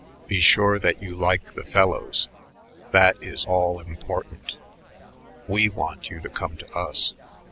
Be sure that you like the fellows; that is all important. We want you to come to us.